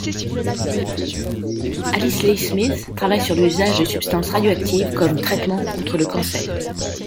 Alice Leigh-Smith travaille sur l'usage de substances radioactives comme traitement contre le cancer.